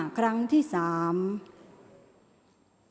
ออกรางวัลที่๖เลขที่๗